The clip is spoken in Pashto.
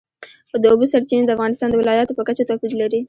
د اوبو سرچینې د افغانستان د ولایاتو په کچه توپیر لري.